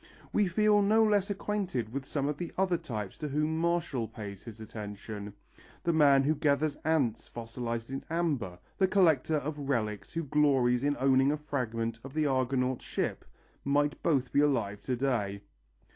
We feel no less acquainted with some of the other types to whom Martial pays his attention. The man who gathers ants fossilized in amber, the collector of relics who glories in owning a fragment of the Argonauts' ship, might both be alive to day.